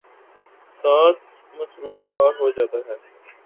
ساتھ ''مصروف کار" ہو جاتا ہے۔